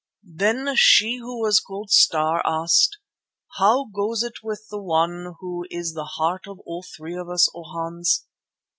"Then she who was called Star asked, 'How goes it with one who is the heart of all three of us, O Hans?